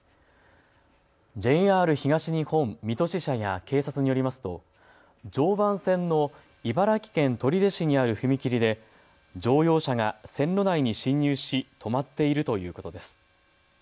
ＪＲ東日本水戸支社や警察によりますと常磐線の茨城県取手市にある踏切で乗用車が線路内に進入し止まっているということです。